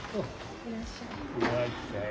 いらっしゃい。